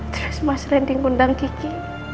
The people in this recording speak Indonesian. terus mas randi ngundang kiki